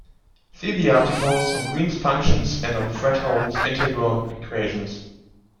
See the articles on Green's functions and on Fredholm integral equations.